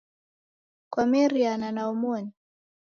Kwameriana na omoni?.